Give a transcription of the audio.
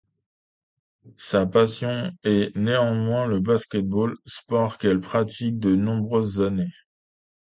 Sa passion est néanmoins le basket-ball, sport qu'elle pratique de nombreuses années.